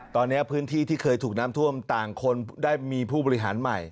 ตอนนี้พื้นที่ที่เคยถูกน้ำท่วมต่างคนได้มีผู้บริหารใหม่